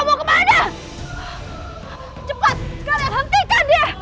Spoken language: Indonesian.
yunda kau mau kemana